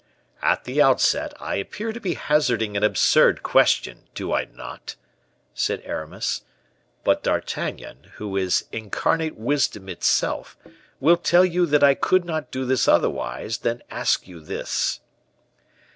"At the outset, I appear to be hazarding an absurd question, do I not?" said Aramis. "But D'Artagnan, who is incarnate wisdom itself, will tell you that I could not do otherwise than ask you this."